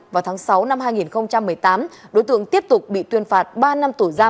vào tháng sáu năm hai nghìn một mươi tám đối tượng tiếp tục bị tuyên phạt ba năm tù giam